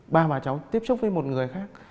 ba bà cháu tiếp xúc với một người khác